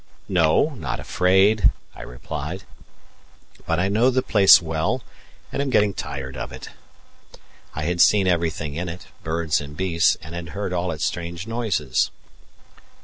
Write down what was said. "No, not afraid," I replied; "but I know the place well, and am getting tired of it." I had seen everything in it birds and beasts and had heard all its strange noises.